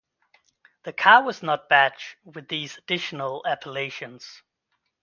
The car was not badged with these additional appellations.